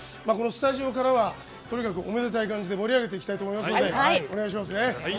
このスタジオからは、とにかくおめでたい感じで盛り上げていきたいと思います。